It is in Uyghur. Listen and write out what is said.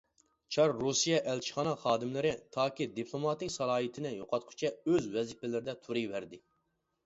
چار رۇسىيە ئەلچىخانا خادىملىرى تاكى دىپلوماتىك سالاھىيىتىنى يوقاتقۇچە ئۆز ۋەزىپىلىرىدە تۇرۇۋەردى.